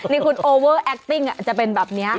นี่คุณโอเวอร์แอคติ้งจะเป็นแบบนี้